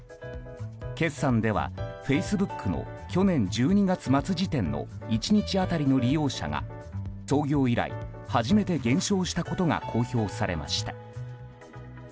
決算ではフェイスブックの去年末時点の１日当たりの利用者が創業以来初めて減少したことが公表されました。